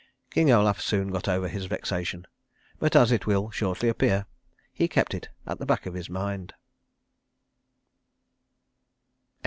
King Olaf soon got over his vexation; but, as it will shortly appear, he kept it at the back of his mind.